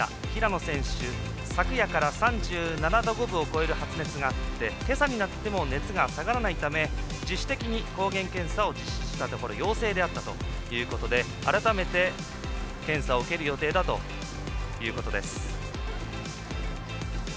平野選手、昨夜から３７度５分を超える発熱があって、けさになっても熱が下がらないため自主的に抗原検査を実施したところ陽性であったということで改めて、検査を受ける予定だということです。